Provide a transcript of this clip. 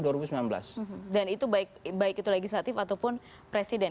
dan itu baik itu legislatif ataupun presiden